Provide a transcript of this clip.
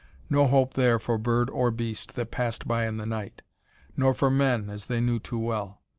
No hope there for bird or beast that passed by in the night; nor for men, as they knew too well.